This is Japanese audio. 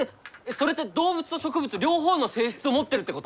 それって動物と植物両方の性質を持ってるってこと？